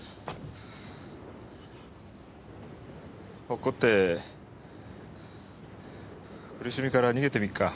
落っこって苦しみから逃げてみっか。